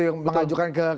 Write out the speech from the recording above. yang mengajukan ke